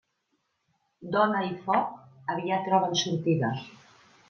Dona i foc, aviat troben sortida.